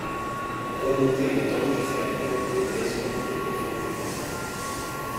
Remonter le temps jusqu’à l’époque où les maisons ont été fondées.